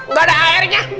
gak ada airnya